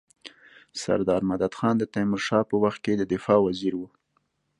سردار مددخان د تيمورشاه په وخت کي د دفاع وزیر وو.